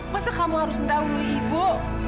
masa kamu harus mendahului ibu